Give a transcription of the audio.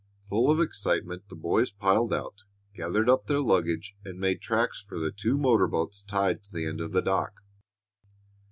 Full of excitement, the boys piled out, gathered up their luggage, and made tracks for the two motor boats tied to the end of the dock.